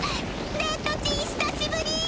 デッドちん久しぶり！